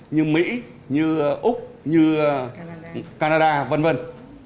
như mỹ như úc như canada vân vân